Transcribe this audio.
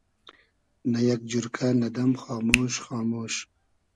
نۂ یئگ جورکۂ, نۂ دئم خامۉش خامۉش